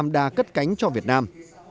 đánh cho việt nam